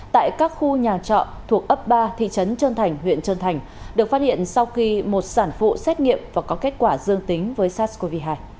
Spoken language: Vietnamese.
tại các khu nhà trọ thuộc ấp ba thị trấn trơn thành huyện trơn thành được phát hiện sau khi một sản phụ xét nghiệm và có kết quả dương tính với sars cov hai